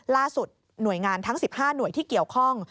หน่วยงานทั้ง๑๕หน่วยที่เกี่ยวข้อง